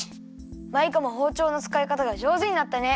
マイカもほうちょうのつかいかたがじょうずになったね。